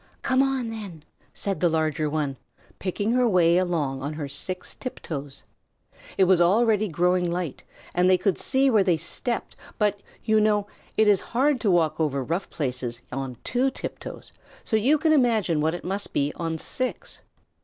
"Come on, then," said the larger one, picking her way along on her six tiptoes. It was already growing light, and they could see where they stepped, but, you know, it is hard to walk over rough places on two tiptoes, so you can imagine what it must be on six.